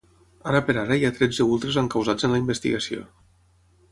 Ara per ara hi ha tretze ultres encausats en la investigació.